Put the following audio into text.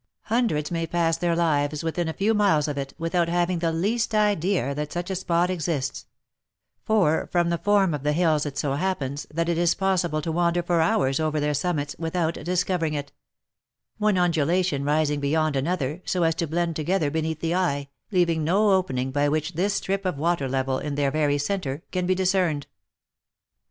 Hundreds may pass their lives within a few miles of it, with out having the least idea that such a spot exists ; for, from the form of the hills it so happens, that it is possible to wander for hours over their summits, without discovering it ; one undulation rising beyond another, so as to blend together beneath the eye, leaving no opening by which this strip of water level in their very centre, can be dis cerned.